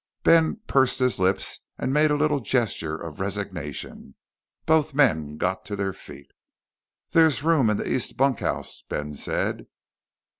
Ben pursed his lips and made a little gesture of resignation. Both men got to their feet. "There's room in the east bunkhouse," Ben said.